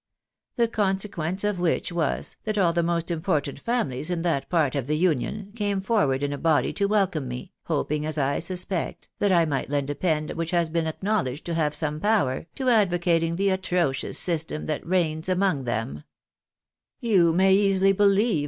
The consequence of which was, that all the most important families in that part of the Union, came forward in a body to welcome me, hoping, as I suspect, that I might lend a pen which has been acknowledged to have some .power, to advocating the atrocious system that reigns among them, lou may easily beUeve.